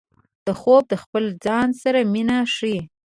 خوب د خپل ځان سره مینه ښيي